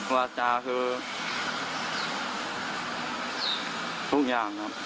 วาจาคือทุกอย่างครับ